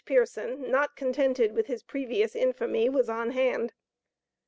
Pearson, not contented with his previous infamy, was on hand.